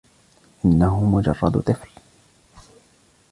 إنه مجرد طفل.